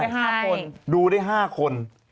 ได้๕คนดูได้๕คน